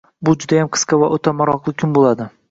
Bu judayam qisqa va oʻta maroqli kun boʻladi